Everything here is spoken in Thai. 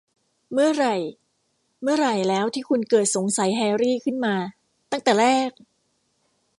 เมื่อไหร่ เมื่อไหร่แล้วที่คุณเกิดสงสัยแฮรรี่ขึ้นมาตั้งแต่แรก ?